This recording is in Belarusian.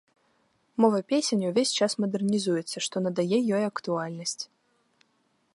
Мова песень увесь час мадэрнізуецца, што надае ёй актуальнасць.